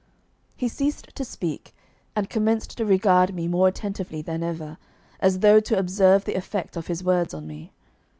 He ceased to speak, and commenced to regard me more attentively than ever, as though to observe the effect of his words on me.